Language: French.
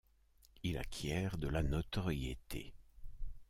Il acquiert de la notoriété.